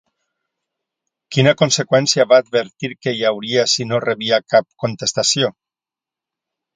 Quina conseqüència va advertir que hi hauria si no rebia cap contestació?